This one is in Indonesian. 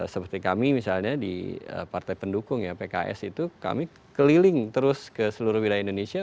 jadi kami misalnya di partai pendukung ya pks itu kami keliling terus ke seluruh wilayah indonesia